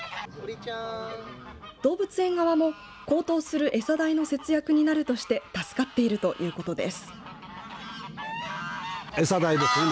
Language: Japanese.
動物園側も高騰する餌代の節約になるとして助かっているということです。